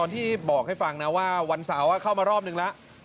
ที่บอกให้ฟังนะว่าวันเสาร์เข้ามารอบนึงแล้ว